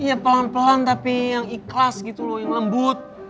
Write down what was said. iya pelan pelan tapi yang ikhlas gitu loh yang lembut